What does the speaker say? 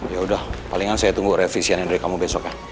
ya udah palingan saya tunggu revisiannya dari kamu besok ya